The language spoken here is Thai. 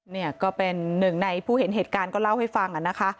นี่เป็นหนึ่งในผู้เห็นเหตุการณ์